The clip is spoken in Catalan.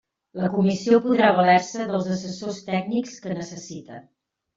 La Comissió podrà valer-se dels assessors tècnics que necessite.